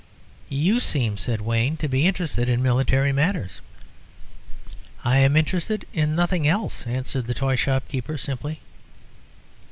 "You seem," said Wayne, "to be interested in military matters." "I am interested in nothing else," answered the toy shop keeper, simply.